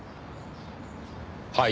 はい？